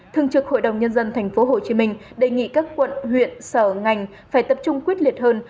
thường trực hội đồng nhân dân tp hồ chí minh đề nghị các quận huyện sở ngành phải tập trung quyết liệt hơn